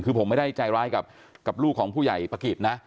คือผมไม่ได้ใจร้ายกับลูกของผู้ใหญ่ปะกิจนะ